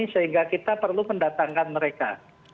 sehingga kita perlu mendatangkan mereka